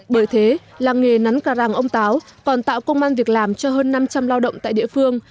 bởi thế làng nghề nắn cà răng ông táo còn tạo công an việc làm cho hơn năm trăm linh lao động tại địa phương